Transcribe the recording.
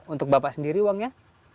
untuk bapak sendiri uangnya